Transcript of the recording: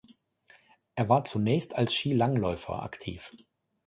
Er war zunächst als Skilangläufer aktiv.